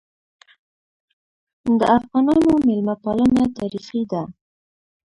د افغانانو مېلمه پالنه تاریخي ده.